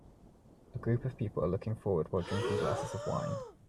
A group of people are looking forward while drinking glasses of whine.